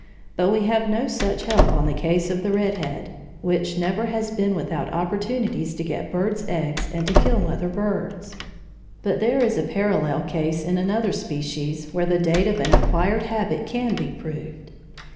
But we have no such help on the case of the red head, which never has been without opportunities to get birds' eggs and to kill other birds. But there is a parallel case in another species where the date of an acquired habit can be proved.